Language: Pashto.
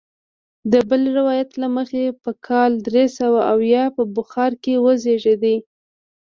د بل روایت له مخې په کال درې سوه اویا په بخارا کې وزیږېد.